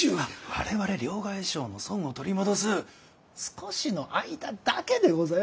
我々両替商の損を取り戻す少しの間だけでございます。